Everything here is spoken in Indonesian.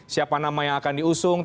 siapa nama yang akan diusung